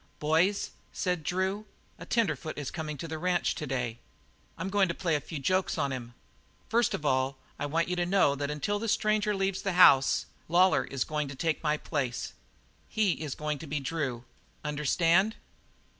"Boys," said Drew, "a tenderfoot is coming to the ranch to day. I'm going to play a few jokes on him. First of all, I want you to know that until the stranger leaves the house, Lawlor is going to take my place. He is going to be Drew. Understand?"